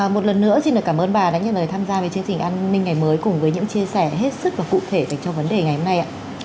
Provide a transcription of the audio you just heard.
một lần nữa xin cảm ơn bà đã nhận lời tham gia về chương trình an ninh ngày mới cùng với những chia sẻ hết sức và cụ thể về vấn đề ngày hôm nay